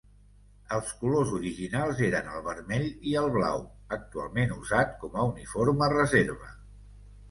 Els colors originals eren el vermell i el blau, actualment usat com a uniforme reserva.